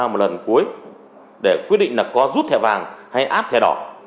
một lần cuối để quyết định là có rút thẻ vàng hay áp thẻ đỏ